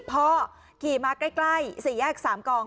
พ่อขี่มาใกล้๔แยก๓กอง